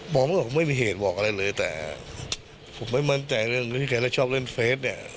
เมื่อผมไม่มีเหตุบอกอะไรเลยแต่ผมไม่มั่นใจเรื่องที่แกแล้วชอบเล่นเฟสเนี่ย